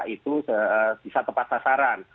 itu bisa tepat sasaran